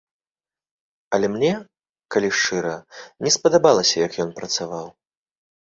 Але мне, калі шчыра, не спадабалася, як ён працаваў.